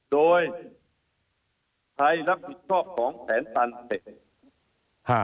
โดยใครรับผิดชอบของแผนตันเสร็จ